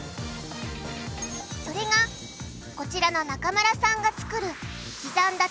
それがこちらの中村さんが作る刻んだ